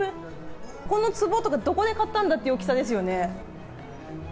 このつぼとか、どこで買ったんだっていう大きさですよね。